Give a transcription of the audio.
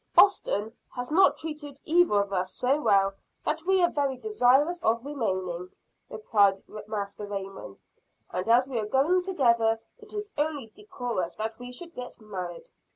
"Boston has not treated either of us so well that we are very desirous of remaining," replied Master Raymond. "And as we are going together, it is only decorous that we should get married.